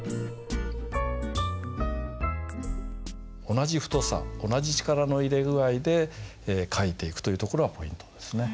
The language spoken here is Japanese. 同じ太さ同じ力の入れ具合で書いていくというところがポイントですね。